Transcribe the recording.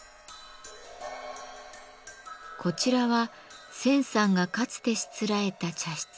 こちらは千さんがかつてしつらえた茶室「重窓」。